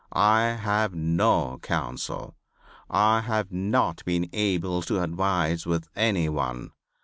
I have no counsel. I have not been able to advise with any one.